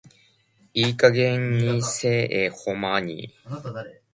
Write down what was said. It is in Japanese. いい加減偽絵保マニ。